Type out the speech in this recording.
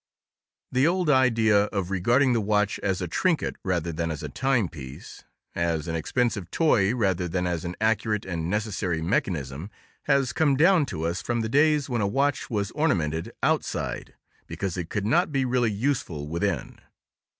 "" The old idea of regarding the watch as a trinket rather than as a timepiece, as an expensive toy rather than as an accurate and necessary mechanism, has come down to us from the days when a watch was ornamented outside, because it could not be really useful within.